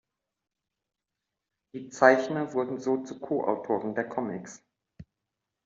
Die Zeichner wurden so zu Co-Autoren der Comics.